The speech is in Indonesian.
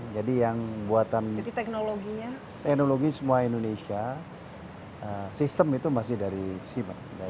jadi yang buatan teknologinya teknologi semua indonesia sistem itu masih dari simak dari